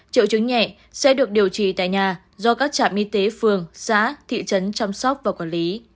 triệu chứng nhẹ sẽ được điều trị tại nhà do các trạm y tế phường xã thị trấn chăm sóc và quản lý